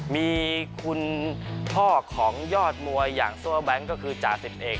มีคุณพ่อของยอดมวยอย่างซัวร์แบงค์ก็คือจาศิษย์เอก